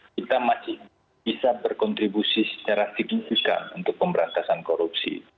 kita masih bisa berkontribusi secara signifikan untuk pemberantasan korupsi